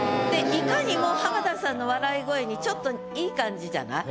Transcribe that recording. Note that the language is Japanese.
いかにも浜田さんの笑い声にちょっといい感じじゃない。